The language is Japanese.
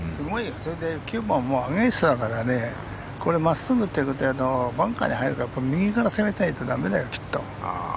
それで９番もアゲンストだからこれ、真っすぐだとバンカーに入るから右から攻めないと駄目だよきっと。